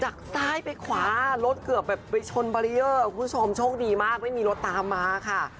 จากซ้ายไปขวารถเกือบแบบไปชนบารีเออร์คุณผู้ชมโชคดีมากไม่มีรถตามมาค่ะ